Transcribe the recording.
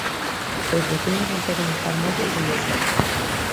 Seus veciños non poden estar máis orgullosos.